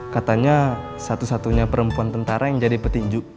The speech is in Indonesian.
katanya satu satunya perempuan tentara yang jadi petinju